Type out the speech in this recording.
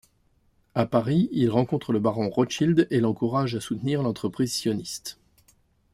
À Paris, il rencontre le baron Rothschild et l'encourage à soutenir l'entreprise sioniste.